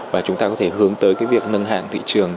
và chúng ta có thể hướng tới cái việc nâng hạng thị trường